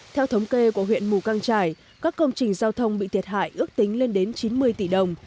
theo thống kê của huyện mù căng trải các công trình giao thông bị thiệt hại ước tính lên đến chín mươi tỷ đồng